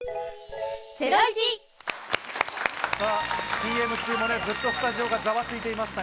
ＣＭ中もスタジオがざわついていました。